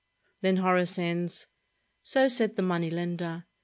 Then Horace ends, "So said the money lender.